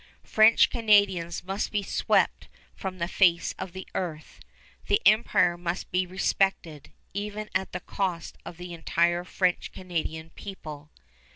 French Canadians must be swept from the face of the earth. ... The empire must be respected, even at the cost of the entire French Canadian people."